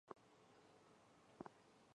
和尼奥尔德分手后据说再嫁给乌勒尔。